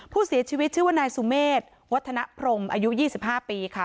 ผู้เสียชีวิตชื่อว่านายสุเมษวัฒนพรมอายุ๒๕ปีค่ะ